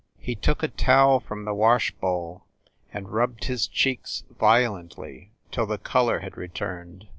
He took a towel from the washbowl and rubbed his cheeks violently, till the color had returned.